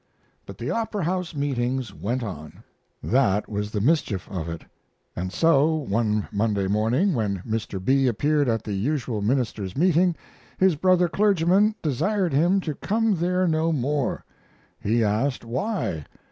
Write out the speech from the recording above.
But the Opera House meetings went on. That was the mischief of it. And so, one Monday morning, when Mr. B. appeared at the usual Ministers' meeting, his brother clergymen desired him to come there no more. He asked why.